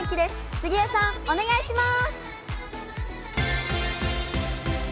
杉江さん、お願いします。